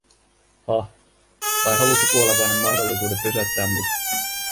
"hah, vai haluut sä kuolevainen mahdollisuuden pysäyttää mut?